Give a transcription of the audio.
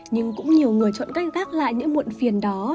nhưng cũng nhiều người chọn cách gác lại những muộn phiền đó